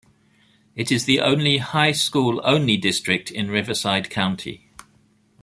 It is the only high school-only district in Riverside County.